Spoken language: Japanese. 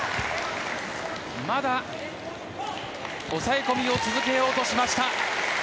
まだ抑え込みを続けようとしました。